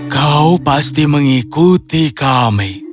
kau pasti mengikuti kami